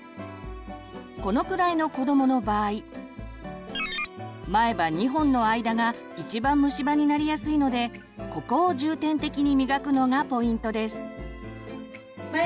このくらいの子どもの場合前歯２本の間がいちばん虫歯になりやすいのでここを重点的に磨くのがポイントです。